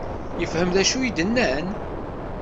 Yefhem d acu i d-nnan?